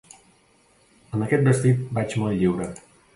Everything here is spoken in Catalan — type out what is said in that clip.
Amb aquest vestit vaig molt lliure.